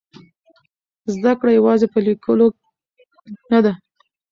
زده کړه یوازې په لیکلو نه ده.